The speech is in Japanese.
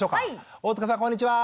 大塚さんこんにちは！